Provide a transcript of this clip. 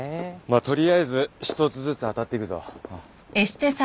まあとりあえず１つずつ当たっていくぞ。